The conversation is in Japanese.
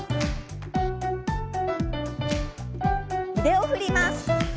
腕を振ります。